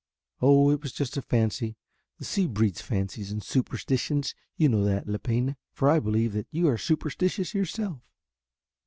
"Oh, it was just a fancy. The sea breeds fancies and superstitions, you know that, Lepine, for I believe you are superstitious yourself."